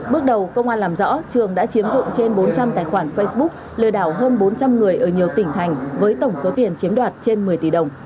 bước đầu công an làm rõ trường đã chiếm dụng trên bốn trăm linh tài khoản facebook lừa đảo hơn bốn trăm linh người ở nhiều tỉnh thành với tổng số tiền chiếm đoạt trên một mươi tỷ đồng